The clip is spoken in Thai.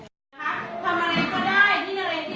ภูมิและภูมิการหมายแบบสุดจบเพื่อนด่วน